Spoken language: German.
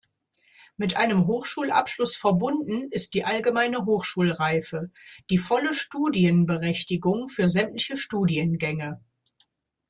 Mit einem Hochschulabschluss verbunden ist die "Allgemeine Hochschulreife", die volle Studienberechtigung für sämtliche Studiengänge.